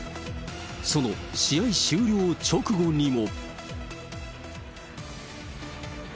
その試合終了直後にも。